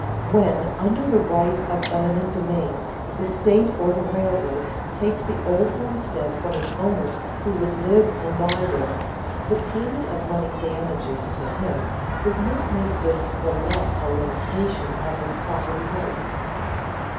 When, under the right of eminent domain, the state or the railroad takes the old homestead from its owner who would live and die there, the payment of money damages to him does not make this the less a limitation of his property rights.